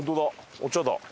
お茶だ。